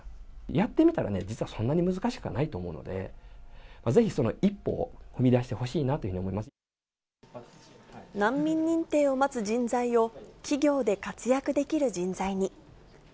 やってみたらね、実はそんなに難しくないと思うので、ぜひその一歩を踏み出してほ難民認定を待つ人材を、企業で活躍できる人材に。